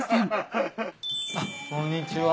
あっこんにちは。